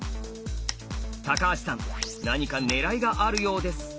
橋さん何か狙いがあるようです。